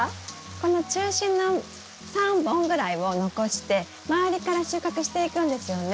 この中心の３本ぐらいを残して周りから収穫していくんですよね？